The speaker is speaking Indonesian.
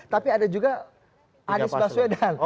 tapi ada juga anies baswedan